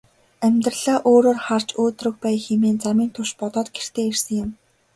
Амьдралаа өөрөөр харж өөдрөг байя хэмээн замын турш бодоод гэртээ ирсэн юм.